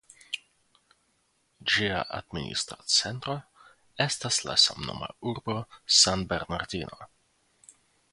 Ĝia administra centro estas la samnoma urbo San Bernardino.